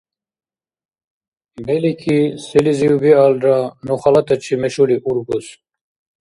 Белики, селизив-биалра, ну халатачи мешули ургус.